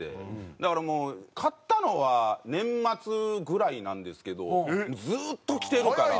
だからもう買ったのは年末ぐらいなんですけどずっと着てるから。